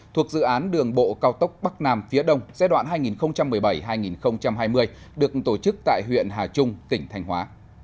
thuộc dự án đường bộ cao tốc bắc nam phía đông giai đoạn hai nghìn một mươi bảy hai nghìn hai mươi được tổ chức tại huyện hà trung tỉnh thành hóa